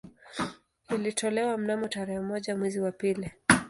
Ilitolewa mnamo tarehe moja mwezi wa pili